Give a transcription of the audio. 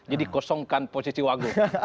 jadi kosongkan posisi wagub